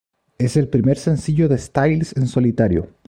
Es el primer sencillo de Styles en solitario.